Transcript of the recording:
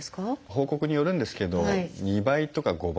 報告によるんですけど２倍とか５倍とかですね